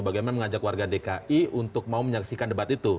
bagaimana mengajak warga dki untuk mau menyaksikan debat itu